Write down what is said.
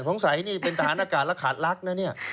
สงสัยนี่เป็นทหารอากาศแล้วขาดลักษณ์นะเนี่ย